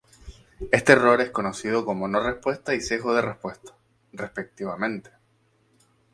Este error es conocido como no respuesta y sesgo de respuesta, respectivamente.